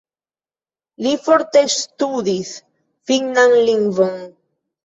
Li forte ŝtudis finnan lingvon.